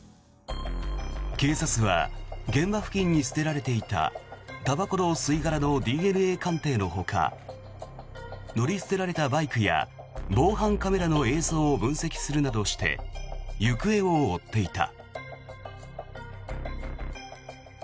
警察は現場付近に捨てられていたたばこの吸い殻のＤＮＡ鑑定のほか乗り捨てられたバイクや防犯カメラの映像を分析するなどして行方を追っていた。